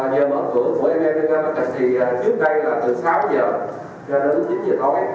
giờ mở cửa của em em thì trước đây là từ sáu giờ ra đến chín giờ tối